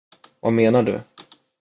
Vad menar du?